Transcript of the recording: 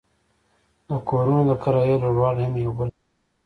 د کورونو د کرایې لوړوالی هم یو بل لامل دی